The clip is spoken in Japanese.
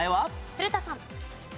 古田さん。